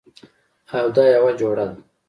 او دا یوه جوړه ده